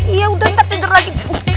iya udah ntar tengger lagi